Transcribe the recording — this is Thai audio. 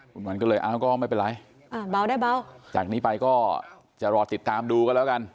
คุณวันก็เลยเอาก็ไม่เป็นไรจากนี้ไปก็จะรอติดตามดูกันแล้วกัน